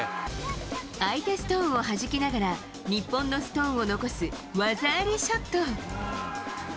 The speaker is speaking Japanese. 相手ストーンをはじきながら、日本のストーンを残す技ありショット。